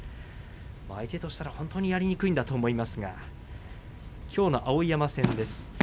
相手としたら本当にやりにくいんだと思いますがきょうは碧山戦です。